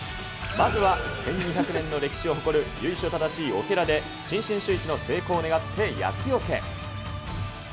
まずは１２００年の歴史を誇る由緒正しいお寺で、新春シューイチの成功を願って厄よけ。